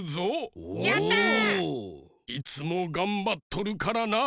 いつもがんばっとるからな。